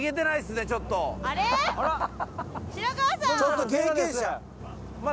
ちょっと経験者。